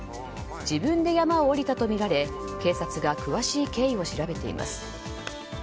自分で山を下りたとみられ警察が詳しい経緯を調べています。